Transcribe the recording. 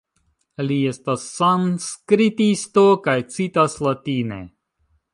Li estas sanskritisto kaj citas latine.